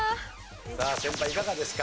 さあ先輩いかがですか？